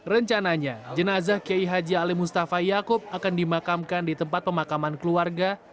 rencananya jenazah kiai haji ali mustafa yaakub akan dimakamkan di tempat pemakaman keluarga